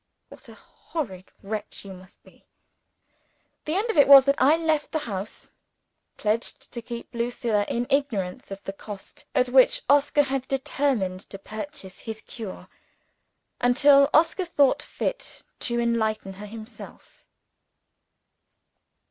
What a horrid wretch you must be! The end of it was that I left the house pledged to keep Lucilla in ignorance of the cost at which Oscar had determined to purchase his cure, until Oscar thought fit to enlighten her himself.